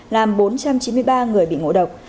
làm bốn trăm chín mươi ba người bị ngộ độc